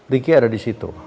riki ada disitu